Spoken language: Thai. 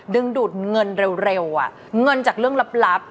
ดึงดูดเงินเร็วเงินจากเรื่องลับ